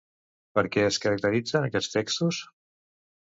Per què es caracteritzen aquests textos?